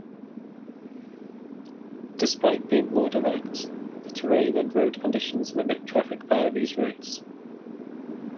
Despite being more direct, the terrain and road conditions limit traffic via these routes.